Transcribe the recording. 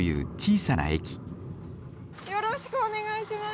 よろしくお願いします。